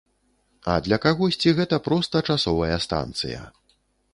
А для кагосьці гэта проста часовая станцыя.